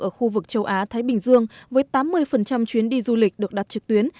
ở khu vực châu á thái bình dương với tám mươi chuyến đi du lịch được đặt trực tuyến